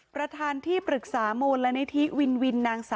ประทานที่